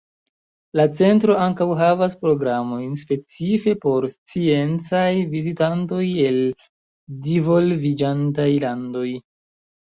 La centro ankaŭ havas programojn specife por sciencaj vizitantoj el divolviĝantaj landoj.